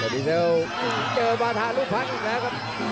เจ้าดีเซลเจอมาทารุพันต์อีกแล้วครับ